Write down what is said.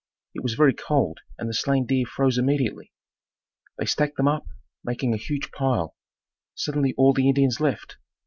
It was very cold and the slain deer froze immediately. They stacked them up, making a huge pile. Suddenly all the Indians left.